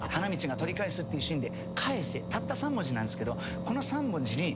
たった３文字なんですけど。